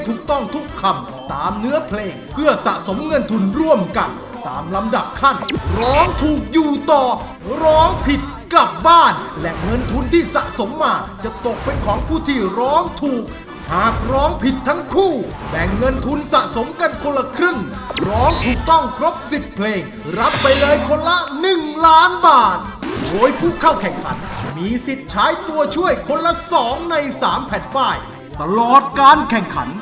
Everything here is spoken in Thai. ถูกต้องทุกคำตามเนื้อเพลงเพื่อสะสมเงินทุนร่วมกันตามลำดับขั้นร้องถูกอยู่ต่อร้องผิดกลับบ้านและเงินทุนที่สะสมมาจะตกเป็นของผู้ที่ร้องถูกหากร้องผิดทั้งคู่แบ่งเงินทุนสะสมกันคนละครึ่งร้องถูกต้องครบ๑๐เพลงรับไปเลยคนละ๑ล้านบาทโดยผู้เข้าแข่งขันมีสิทธิ์ใช้ตัวช่วยคนละสองในสามแผ่นป้ายตลอดการแข่งขัน